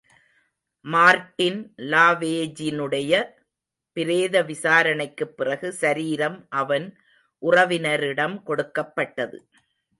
Martin லாவேஜினுடைய பிரேத விசாரணைக்குப் பிறகு சரீரம் அவன் உறவினரிடம் கொடுக்கப்பட்டது.